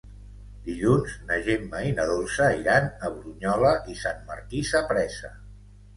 Dilluns na Gemma i na Dolça iran a Brunyola i Sant Martí Sapresa.